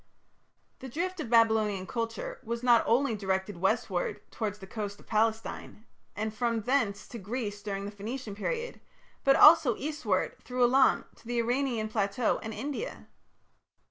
" The drift of Babylonian culture was not only directed westward towards the coast of Palestine, and from thence to Greece during the Phoenician period, but also eastward through Elam to the Iranian plateau and India.